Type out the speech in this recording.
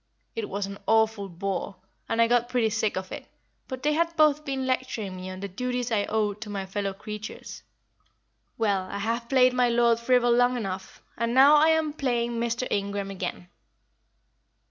It was an awful bore, and I got pretty sick of it, but they had both been lecturing me on the duties I owed to my fellow creatures. Well, I have played my Lord Frivol long enough, and now I am plain Mr. Ingram again."